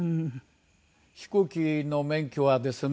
飛行機の免許はですね